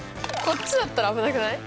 こっちだったら危なくない？